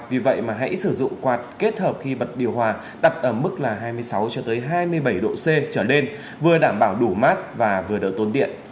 vì vậy mà hãy sử dụng quạt kết hợp khi bật điều hòa đặt ở mức là hai mươi sáu cho tới hai mươi bảy độ c trở lên vừa đảm bảo đủ mát và vừa đỡ tốn điện